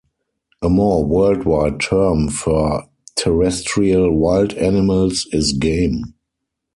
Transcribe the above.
A more worldwide term for terrestrial wild animals is game.